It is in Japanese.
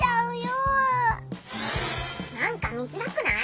なんか見づらくない？